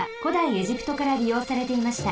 エジプトからりようされていました。